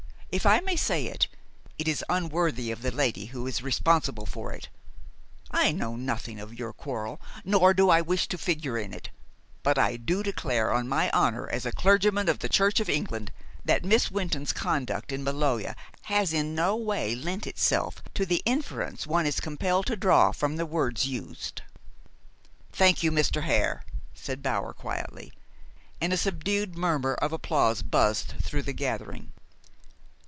If I may say it, it is unworthy of the lady who is responsible for it. I know nothing of your quarrel, nor do I wish to figure in it; but I do declare, on my honor as a clergyman of the Church of England, that Miss Wynton's conduct in Maloja has in no way lent itself to the inference one is compelled to draw from the words used." "Thank you, Mr. Hare," said Bower quietly, and a subdued murmur of applause buzzed through the gathering.